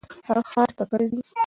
هغه ښار ته کله ځي؟